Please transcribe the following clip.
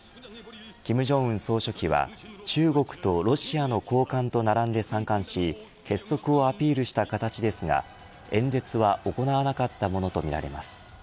金正恩総書記は中国とロシアの高官と並んで参観し結束をアピールした形ですが演説は行わなかったものとみられます。